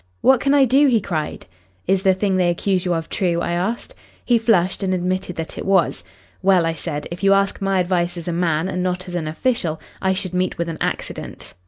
'What can I do?' he cried. 'Is the thing they accuse you of true?' I asked. He flushed and admitted that it was. 'Well,' I said, 'if you ask my advice as a man and not as an official, I should meet with an accident.'